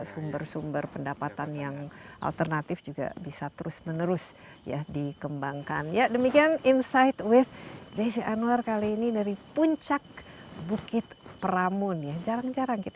sebenarnya sepuluh ribu kedengerannya